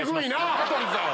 羽鳥さん